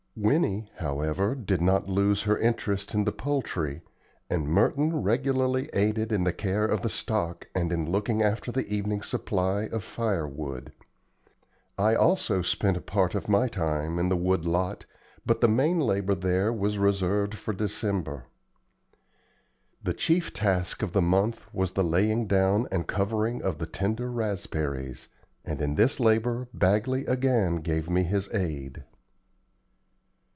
Winnie, however, did not lose her interest in the poultry, and Merton regularly aided in the care of the stock and in looking after the evening supply of fire wood. I also spent a part of my time in the wood lot, but the main labor there was reserved for December. The chief task of the month was the laying down and covering of the tender raspberries; and in this labor Bagley again gave me his aid.